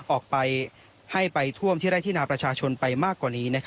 ออกไปให้ไปท่วมที่ไร่ที่นาประชาชนไปมากกว่านี้